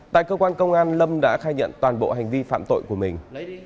tại cơ quan công an lâm đã khai nhận toàn bộ hành vi phạm tội của mình